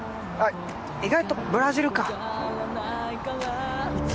意外とブラジルか。